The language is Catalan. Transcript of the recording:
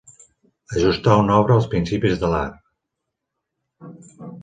Ajustar una obra als principis de l'art.